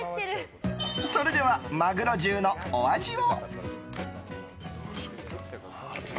それでは、マグロ重のお味は？